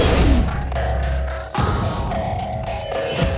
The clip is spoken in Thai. เฮ้ยไอ้ไก่จอดเว้ย